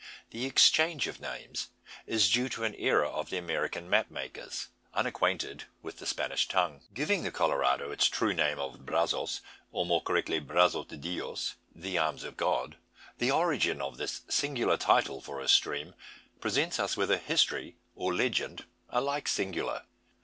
The exchange of names is due to an error of the American map makers, unacquainted with the Spanish tongue. Giving the Colorado its true name of Brazos, or more correctly "Brazos de Dios" ("The Arms of God"), the origin of this singular title for a stream presents us with a history, or legend, alike singular.